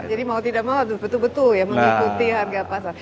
jadi mau tidak mau betul betul ya mengikuti harga pasar